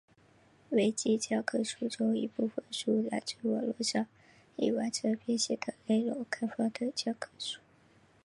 维基教科书中一部分书来自网路上已完成编写的内容开放的教科书。